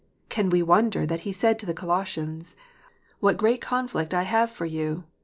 Can we wonder that he says to the Colossians, " What great conflict I have for you "